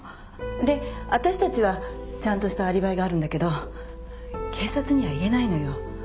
で私たちはちゃんとしたアリバイがあるんだけど警察には言えないのよ